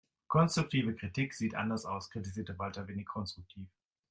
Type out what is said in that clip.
Konstruktive Kritik sieht anders aus, kritisierte Walter wenig konstruktiv.